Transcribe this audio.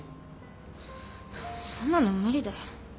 そんなの無理だよ。